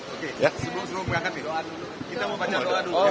oke sebelum berangkat kita mau baca doa dulu